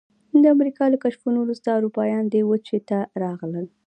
د امریکا له کشفولو وروسته اروپایان دې وچې ته راغلل.